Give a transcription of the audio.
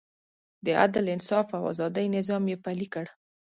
د عدل، انصاف او ازادۍ نظام یې پلی کړ.